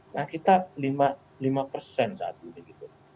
nah kita lima saat ini gitu